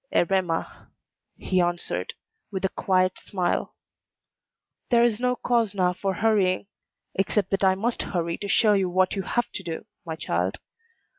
"Erema," he answered, with a quiet smile, "there is no cause now for hurrying, except that I must hurry to show you what you have to do, my child.